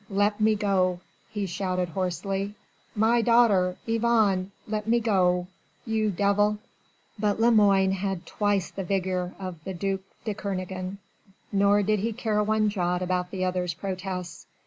Let me go!" he shouted hoarsely. "My daughter! Yvonne! Let me go! You devil!" But Lemoine had twice the vigour of the duc de Kernogan, nor did he care one jot about the other's protests.